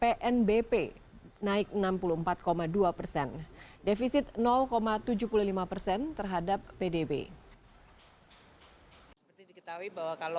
pnbp naik enam puluh empat dua persen defisit tujuh puluh lima persen terhadap pdb